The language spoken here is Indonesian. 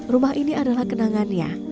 rumah ini adalah kenangannya